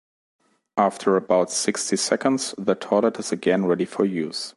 After about sixty seconds, the toilet is again ready for use.